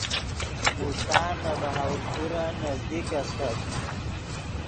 ملتان نے بہاولپورن نزدیک استت